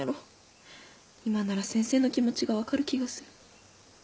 今なら先生の気持ちが分かる気がする。